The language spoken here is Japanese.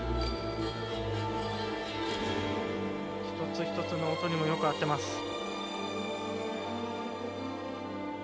一つ一つの音にもよく合っています。